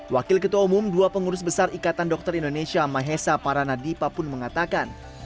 wakil ketua umum dua pengurus besar ikatan dokter indonesia mahesa paranadipa pun mengatakan